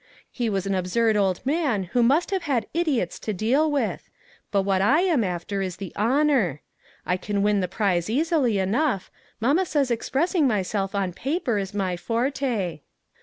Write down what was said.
He was an absurd old man who must have had idiots to deal with; but what I am after is the honor. I can win the prize easily enough; mamma says expressing myself on paper is my forte."